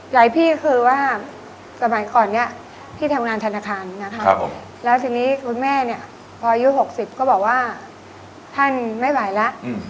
พี่คือว่าสมัยก่อนเนี่ยพี่ทำงานธนาคารนะครับผมแล้วทีนี้คุณแม่เนี่ยพออายุ๖๐ก็บอกว่าท่านไม่ไหวแล้ว